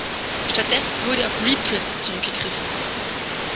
Stattdessen wurde auf Reprints zurückgegriffen.